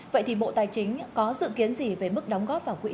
vậy thì bộ tài chính có dự kiến gì về mức đóng góp vào quỹ